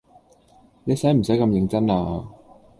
你洗唔洗咁認真啊？